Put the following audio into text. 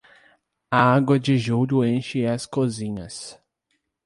A água de julho enche as cozinhas.